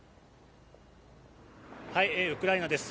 ウクライナです。